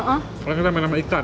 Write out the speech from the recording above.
kalian kita main sama ikan